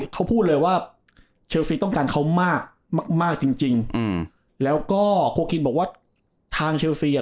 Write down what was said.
เขาพูดเลยว่าเชลซีต้องการเขามากมากจริงจริงอืมแล้วก็โคคินบอกว่าทางเชลซีอ่ะ